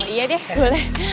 iya deh boleh